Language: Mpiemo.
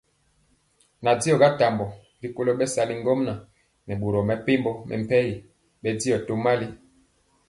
Nandiɔ ga tambɔ rikolo bɛsali ŋgomnaŋ nɛ boro mepempɔ mɛmpegi bɛndiɔ tomali.